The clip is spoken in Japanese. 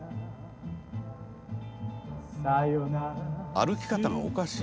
歩き方がおかしい。